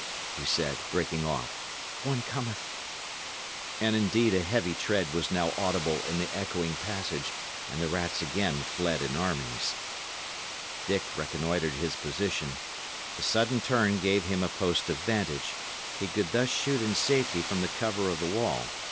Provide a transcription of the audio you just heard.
he said, breaking off "one cometh." And indeed a heavy tread was now audible in the echoing passage, and the rats again fled in armies. Dick reconnoitred his position. The sudden turn gave him a post of vantage. He could thus shoot in safety from the cover of the wall.